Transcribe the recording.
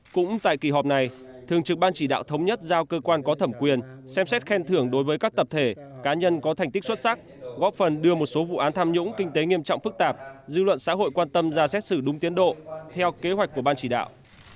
cũng tại kỳ họp này thường trực ban chỉ đạo thống nhất giao cơ quan có thẩm quyền xem xét khen thưởng đối với các tập thể cá nhân có thành tích xuất sắc góp phần đưa một số vụ án tham nhũng kinh tế nghiêm trọng phức tạp dư luận xã hội quan tâm ra xét xử đúng tiến độ theo kế hoạch của ban chỉ đạo